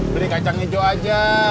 beli kacang hijau aja